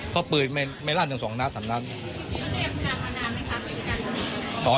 เพราะปืนไม่รักแล้วยังไงต่ออย่างนั้นครับ